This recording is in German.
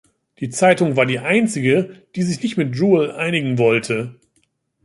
Die Zeitung war die einzige, die sich nicht mit Jewell einigen wollte.